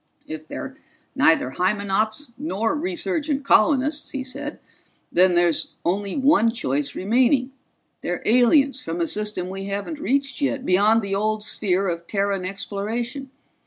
"If they're neither Hymenops nor resurgent colonists," he said, "then there's only one choice remaining they're aliens from a system we haven't reached yet, beyond the old sphere of Terran exploration.